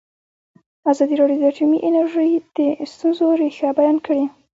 ازادي راډیو د اټومي انرژي د ستونزو رېښه بیان کړې.